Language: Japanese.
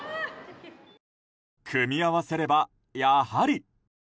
組み合わせれば、やはり。